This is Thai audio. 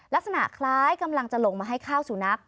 ลักษณะคล้ายกำลังจะลงมาให้ข้าวสุนัข